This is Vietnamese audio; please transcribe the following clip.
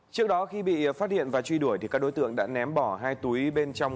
trước đó khi bị phát hiện và truy đuổi các đối tượng đã ném bỏ hai túi bên trong